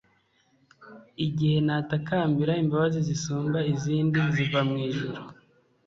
Igihe natakambira imbabazi zisumba izindi ziva mu ijuru